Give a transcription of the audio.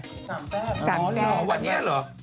สามแพทย์สามแพทย์วันนี้หรอ